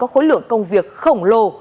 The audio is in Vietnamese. có khối lượng công việc khổng lồ